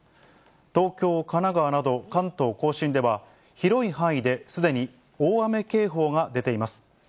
東京、神奈川など、関東甲信では、広い範囲ですでに大雨警報が出ています。